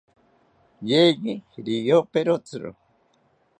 Yeye riyoperotziro